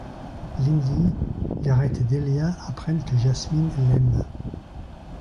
Lindy, Garrett et Delia apprennent que Jasmine l'aime.